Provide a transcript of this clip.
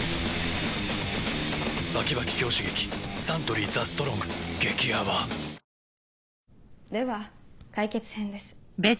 サントリー「ＴＨＥＳＴＲＯＮＧ」激泡では解決編です。